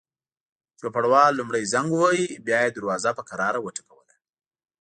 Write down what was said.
چوپړوال لومړی زنګ وواهه، بیا یې دروازه په کراره وټکوله.